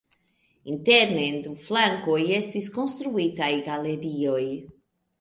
Interne en du flankoj estis konstruitaj galerioj.